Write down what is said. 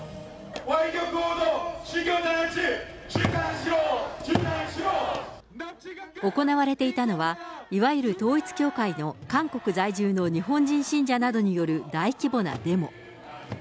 わい曲報道、行われていたのは、いわゆる統一教会の韓国在住の日本人信者などによる大規模なデモ。